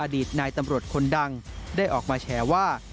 อดีตนายตำรวจคนดังได้ออกมาแฉว่า